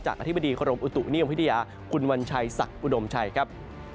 จากอธิบดีระหลบอุตุนิยมพิธีอยาขุนวันชัยศักดิ์อุดมชัยครับ